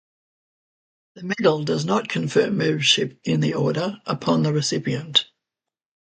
The medal does not confer membership in the order upon the recipient.